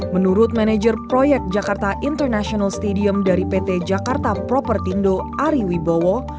menurut manajer proyek jakarta international stadium dari pt jakarta propertindo ari wibowo